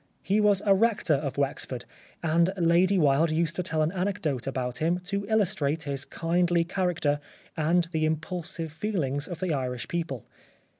He was a Rector of Wexford ; and Lady Wilde used to tell an anecdote about him to illustrate his kindly character and the impulsive feelings of the Irish people.